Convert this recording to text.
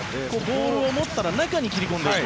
ボールを持ったら中に切り込んでいく。